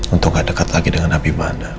untuk gak dekat lagi dengan habibana